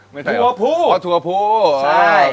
ไม่ใช่หรอกพอถั่วภูใช่